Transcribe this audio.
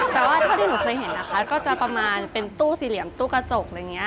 แต่ว่าเท่าที่หนูเคยเห็นนะคะก็จะประมาณเป็นตู้สี่เหลี่ยมตู้กระจกอะไรอย่างนี้